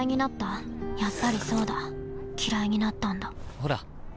ほら。